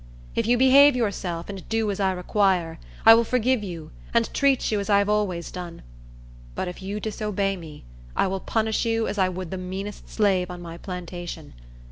If you behave yourself and do as I require, I will forgive you and treat you as I always have done; but if you disobey me, I will punish you as I would the meanest slave on my plantation.